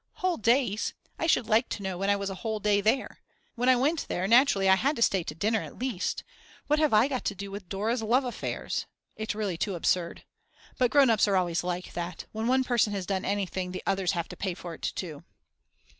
Whole days! I should like to know when I was a whole day there. When I went there naturally I had to stay to dinner at least. What have I got to do with Dora's love affairs? It's really too absurd. But grown ups are always like that. When one person has done anything the others have to pay for it too.